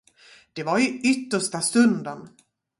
Det var i yttersta stunden.